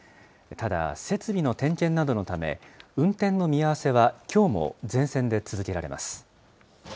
ただ、設備の点検などのため、運転の見合わせはきょうも全線で続けられます。